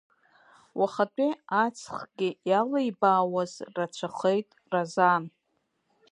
Уахатәи аҵхгьы иалибаауаз рацәахеит Разан.